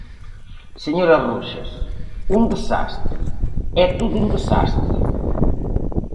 Señora Roxas, un desastre, é todo un desastre.